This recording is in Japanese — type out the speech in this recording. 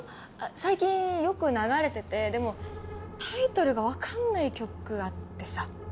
最近よく流れててでもタイトルが分かんない曲あってさ。